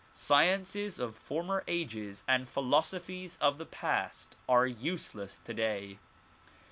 Sciences of former ages and philosophies of the past are useless today.